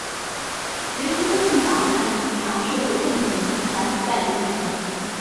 人民公正党大力提倡社会正义及反腐败的议程。